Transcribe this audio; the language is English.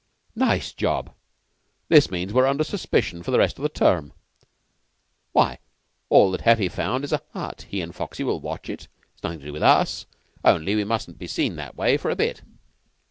"Nice job! This means we're under suspicion for the rest of the term." "Why? All that Heffy has found is a hut. He and Foxy will watch it. It's nothing to do with us; only we mustn't be seen that way for a bit."